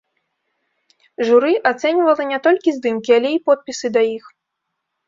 Журы ацэньвала не толькі здымкі, але і подпісы да іх.